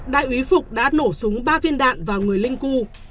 đại úy phục đã nổ súng ba viên đạn vào người linh cưu